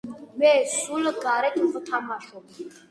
მე სულ გარეთ ვთამშობ